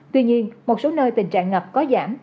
tuy nhiên một số nơi tình trạng ngập có giảm